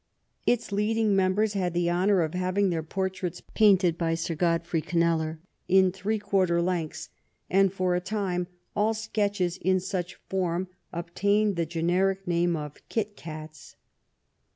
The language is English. Its leading members had the honor of having their por traits painted by Sir Godfrey Kneller in three quarter lengths, and for a time all sketches in such form ob tained the generic name of Kit Cats.